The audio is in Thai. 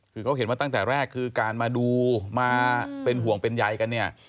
คือเขาเห็นว่าตั้งแต่แรกคือการมาดูมาเป็นห่วงเป็นใยกันเนี่ย